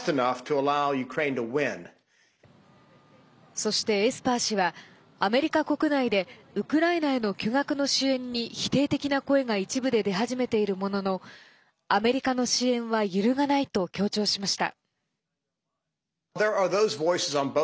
そして、エスパー氏はアメリカ国内でウクライナへの巨額の支援に否定的な声が一部で出始めているもののアメリカの支援は揺るがないと強調しました。